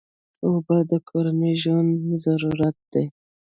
اوبه د کورنۍ ژوند ضرورت دی.